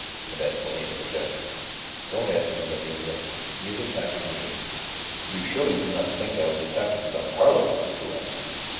And Antonia interjected, "Don't answer him, Emilia. He is attacking me." "You surely do not think I was attacking Don Carlos!" Decoud answered.